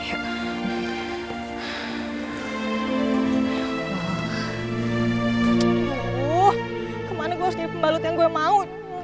uh kemana gue harus jadi pembalut yang gue mau